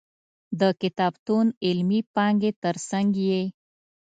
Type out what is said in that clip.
د کتابتون علمي پانګې تر څنګ یې.